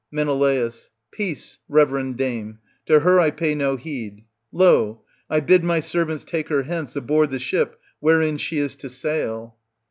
Men. Peace, reverend dame; to her I pay no heed. Lol I bid my servants take her hence, aboard the ship, wherein she is to sail.